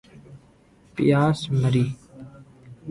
پیاس مری